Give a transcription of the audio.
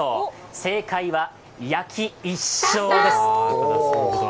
正解は、焼き一生です！